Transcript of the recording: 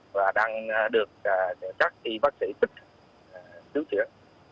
và đang được trách đi bác sĩ tích cứu trữa